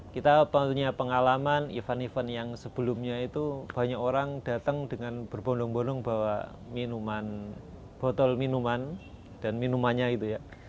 kita punya pengalaman event event yang sebelumnya itu banyak orang datang dengan berbondong bondong bawa minuman botol minuman dan minumannya gitu ya